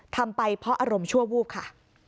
ทำไปเพราะอารมณ์ชั่ววูบค่ะ